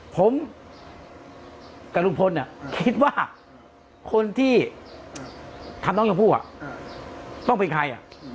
ผมกับลุงพลคิดว่าคนที่ทำน้องชมพู่ต้องเป็นใคร